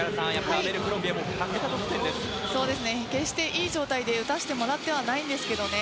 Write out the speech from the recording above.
アベルクロンビエ決して、いい状態で打たせてもらってはないんですけどね。